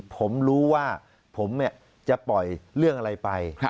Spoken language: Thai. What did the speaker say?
ผมรู้ว่าผมจะปล่อยเรื่องอะไรไป